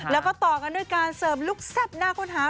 แล้วก็ต่อกันด้วยการเสริมลุคแซ่บน่าค้นหา